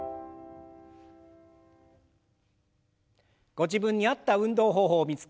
ご自分に合った運動方法を見つけ